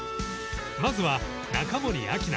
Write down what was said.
まずは中森明菜